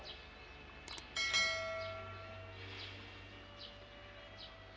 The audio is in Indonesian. saya salah pak